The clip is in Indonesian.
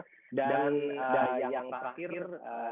selamat malam pak akir